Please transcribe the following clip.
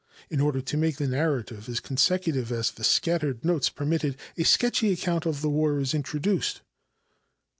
In order to make the narrative as consecutive as the scattered notes permitted, a sketchy account of the war is introduced.